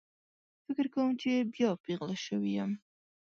فکر کوم چې بیا پیغله شوې یم